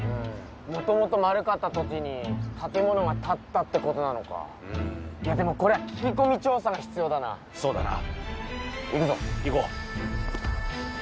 もともと丸かった土地に建物が建ったってことなのかうんこれは聞き込み調査が必要だなそうだな行くぞ行こう